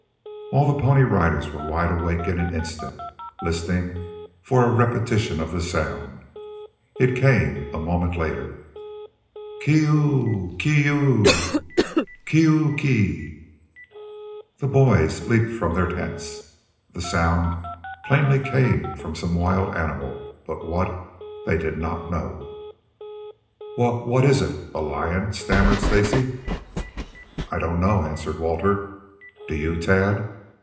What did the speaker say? All the Pony Riders were wide awake in an instant, listening for a repetition of the sound. It came a moment later. "K i i o o o o! K i i o o o o! K i i o o o k i!" The boys leaped from their tents. The sound plainly come from some wild animal, but what, they did not know. "Wha what is it? A lion?" stammered Stacy. "I I don't know," answered Walter. "Do you, Tad?"